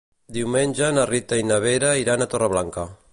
Diumenge na Rita i na Vera iran a Torreblanca.